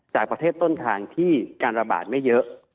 จากประเทศต้นทางที่การระบาดไม่เยอะ